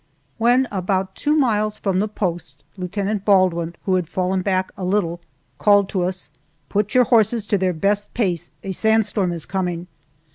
When about two miles from the post, Lieutenant Baldwin, who had fallen back a little, called to us, "Put your horses to their best pace a sand storm is coming!"